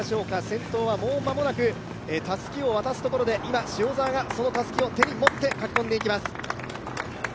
先頭はもう間もなくたすきを渡すところで今、塩澤がそのたすきを手に取って駆け込んでいきます。